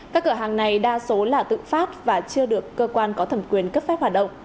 các cửa hàng này đa số là tự phát và chưa được cơ quan có thẩm quyền cấp phép hoạt động